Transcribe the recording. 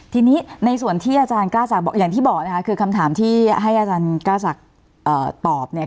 ทีนี้ในส่วนที่อาจารย์กล้าศักดิ์อย่างที่บอกนะคะคือคำถามที่ให้อาจารย์กล้าศักดิ์ตอบเนี่ย